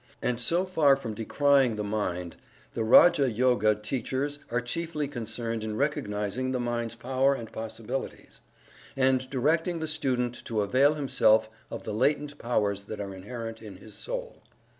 And so far from decrying the Mind, the "Raja Yoga" teachers are chiefly concerned in recognizing the Mind's power and possibilities, and directing the student to avail himself of the latent powers that are inherent in his soul.